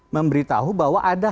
memberitahu bahwa ada